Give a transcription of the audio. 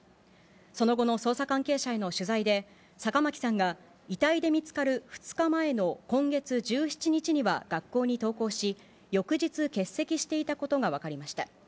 その後の捜査関係者への取材で、坂巻さんが遺体で見つかる２日前の今月１７日には学校に登校し、翌日、欠席していたことが分かりました。